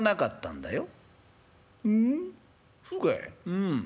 「うん。